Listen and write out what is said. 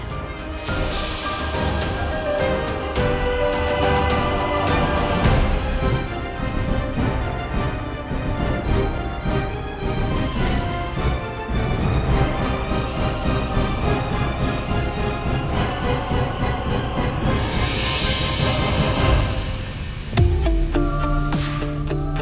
aku sudah berpikir pikir